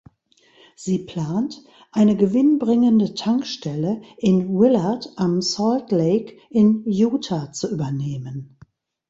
Sie plant, eine gewinnbringende Tankstelle in Willard am Salt Lake in Utah zu übernehmen.